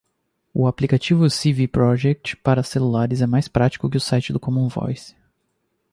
Aplicativo CvProject para celulares é mais prático que o site do commonvoice